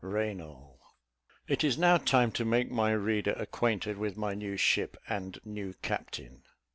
RAYNAL. It is now time to make my reader acquainted with my new ship and new captain.